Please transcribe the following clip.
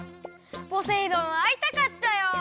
ポセイ丼あいたかったよ！